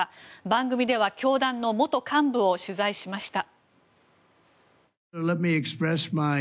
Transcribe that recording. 番組では教団の元幹部を取材しました。